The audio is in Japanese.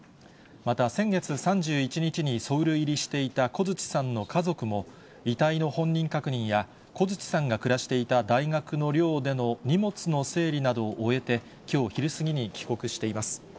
また先月３１日に、ソウル入りしていた小槌さんの家族も、遺体の本人確認や、小槌さんが暮らしていた大学の寮での荷物の整理などを終えて、きょう昼過ぎに帰国しています。